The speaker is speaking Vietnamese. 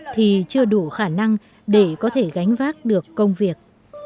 thì chưa đủ khả năng để có thể gánh vác được công việc